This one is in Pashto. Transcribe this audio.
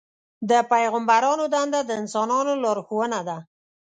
د پیغمبرانو دنده د انسانانو لارښوونه ده.